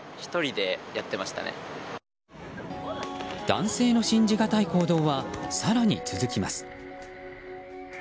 男性の信じがたい行動は更に続きます。